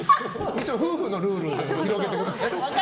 夫婦のルールを広げてください。